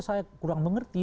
saya kurang mengerti